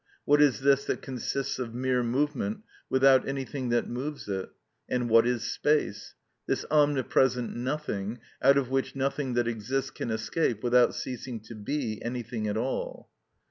—what is this that consists of mere movement, without anything that moves it?—and what is space? this omnipresent nothing, out of which nothing that exists can escape without ceasing to be anything at all?